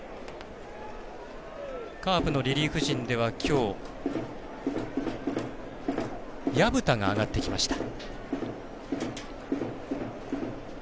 カープのリリーフ陣ではきょう、薮田が上がってきました。